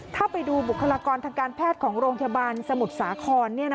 ถ้าไปดูบุคลากรทางการแพทย์ของโรงพยาบาลสมุทรสาคร